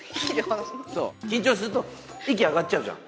緊張すると息あがっちゃうじゃん。